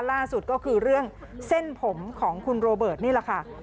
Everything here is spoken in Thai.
ล่าสุดก็คือเรื่องเส้นผมของคุณโรเบิร์ตนี่แหละค่ะ